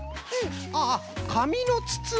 ああかみのつつな。